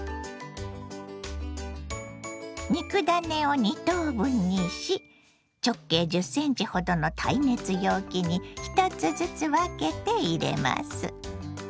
肉ダネを２等分にし直径１０ｃｍほどの耐熱容器に１つずつ分けて入れます。